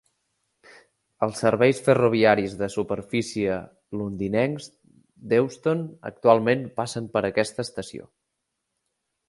Els serveis ferroviaris de superfície londinencs d'Euston actualment passen per aquesta estació.